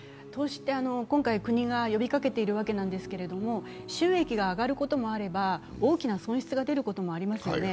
今回国が呼びかけているわけなんですけれども、収益が上がることもあれば大きな損失が出ることもありますよね。